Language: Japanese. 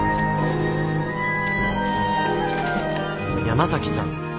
山崎さん。